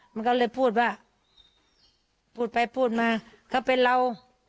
มันก็เลยพูดว่าพูดไปพูดมาเขาเป็นเรา